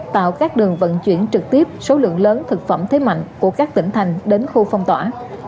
tạo các đường vận chuyển trực tiếp số lượng lớn thực phẩm thế mạnh của các tỉnh thành đến khu phong tỏa